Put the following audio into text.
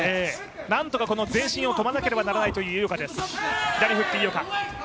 なんとか前進を止めなければいけないという井岡です。